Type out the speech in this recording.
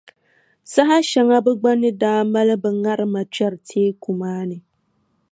Saha shɛŋa bɛ gba ni daa mali bɛ ŋarima kpɛri teeku maa ni.